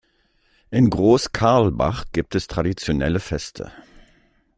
In Großkarlbach gibt es traditionelle Feste.